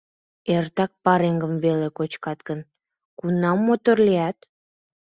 — Эртак пареҥгым веле кочкат гын, кунам мотор лият?